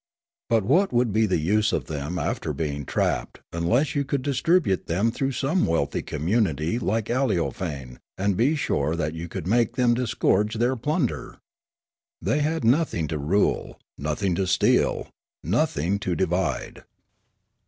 But what would be the use of them after being trapped unless you could distribute them through some wealthy community like Aleofane, and be sure that you could make them disgorge their plunder ? They had nothing to rule, nothing to steal, nothing to divide.